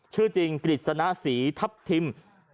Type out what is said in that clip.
ชื่อจริงปริศนาศรีทัพทิม